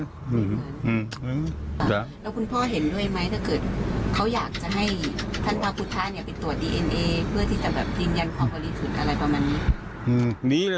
เขายังพัยอยู่กันนะ